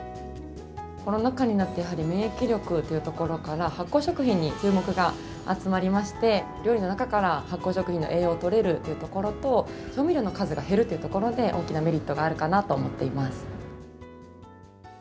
コロナ禍になって、やはり免疫力というところから、発酵食品に注目が集まりまして、料理の中から発酵食品の栄養をとれるというところと、調味料の数が減るっていうところで、大きなメリットがあるかなと思っています。